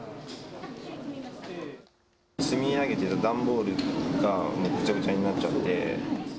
積み上げていた段ボールがぐちゃぐちゃになっちゃって。